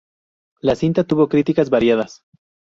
La cinta tuvo críticas variadas.